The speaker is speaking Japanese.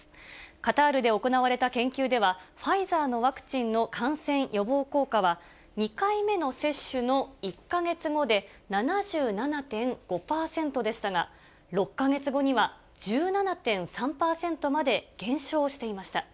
カタールで行われた研究では、ファイザーのワクチンの感染予防効果は、２回目の接種の１か月後で７７．５％でしたが、６か月後には１７．３％まで減少していました。